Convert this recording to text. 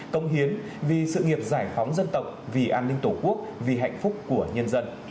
công hiến vì sự nghiệp giải phóng dân tộc vì an ninh tổ quốc vì hạnh phúc của nhân dân